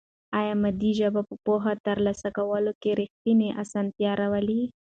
آیا مادي ژبه په پوهه ترلاسه کولو کې رښتینې اسانتیا راولي؟